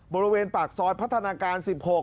บริเวณปากซอยพัฒนาการ๑๖